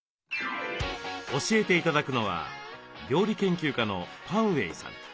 教えて頂くのは料理研究家のパン・ウェイさん。